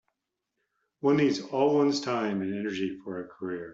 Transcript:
One needs all one's time and energy for a career.